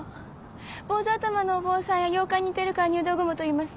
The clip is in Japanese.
坊主頭のお坊さんや妖怪に似ているから入道雲といいます。